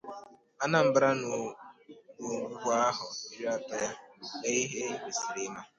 Anambra N'Ọ̀gbụ̀gbà Ahọ Iri Atọ Ya: Lee Ihe I Kwesiri Ị́ma